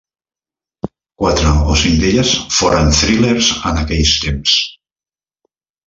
Quatre o cinc d'elles foren thrillers en aqueix temps.